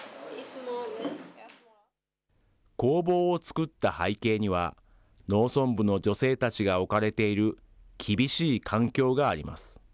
工房を作った背景には、農村部の女性たちが置かれている厳しい環境があります。